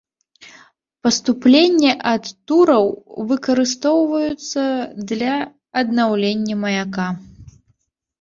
Паступлення ад тураў выкарыстоўваюцца для аднаўлення маяка.